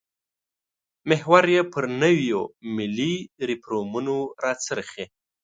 محور یې پر نویو ملي ریفورمونو راڅرخي.